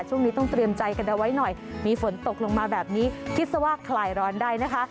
ช่วงนี้ต้องเตรียมใจกันเอาไว้หน่อยมีฝนตกลงมาแบบนี้คิดซะว่าคลายร้อนได้นะคะ